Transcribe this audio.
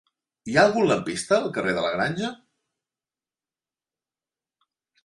Hi ha algun lampista al carrer de la Granja?